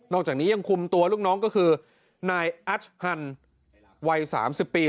อกจากนี้ยังคุมตัวลูกน้องก็คือนายอัชฮันวัย๓๐ปี